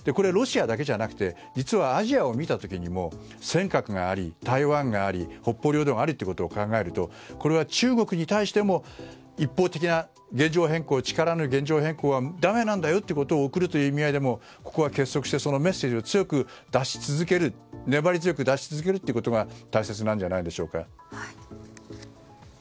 ロシアだけじゃなくて実はアジアを見た時にも尖閣があり、台湾があり北方領土がありということを考えると、中国に対しても一方的な力の現状変更はだめなんだよということを送るという意味合いでもここは結束してメッセージを粘り強く出し続けることが大切なんじゃないでしょうか。